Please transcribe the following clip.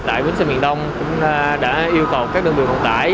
tại bến xe miền đông cũng đã yêu cầu các đơn vị vận tải